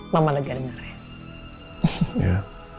mama lega dengarnya